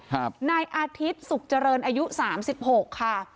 นายอาทิตย์สุขเจริญอายุสามสิบหกค่ะ